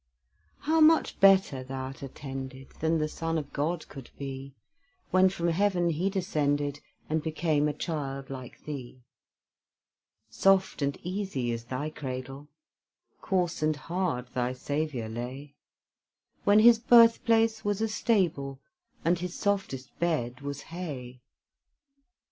How much better thou'rt attended Than the Son of God could be, When from heaven He descended, And became a child like thee! Soft and easy is thy cradle; Coarse and hard thy Saviour lay, When His birthplace was a stable, And His softest bed was hay.